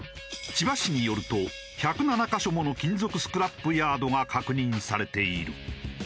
千葉市によると１０７カ所もの金属スクラップヤードが確認されている。